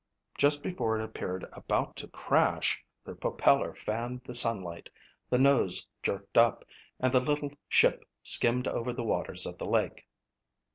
Just before it appeared about to crash, the propeller fanned the sunlight, the nose jerked up, and the little ship skimmed over the waters of the lake.